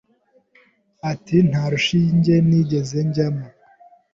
Ati Nta rushinge nigeze njyamo,